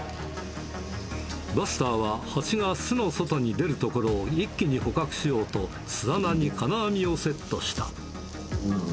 バスターは、ハチが巣の外に出るところを一気に捕獲しようと、巣穴に金網をセットした。